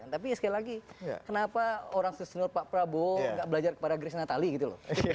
tapi sekali lagi kenapa orang sesenior pak prabowo nggak belajar kepada grace natali gitu loh